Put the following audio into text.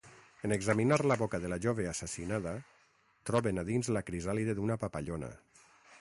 En examinar la boca de la jove assassinada, troben a dins la crisàlide d'una papallona.